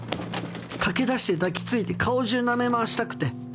駆けだして抱きついて顔中なめまわしたくて。